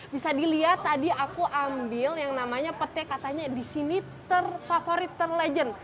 bisa dilihat tadi aku ambil yang namanya petai katanya disini favorit ter legend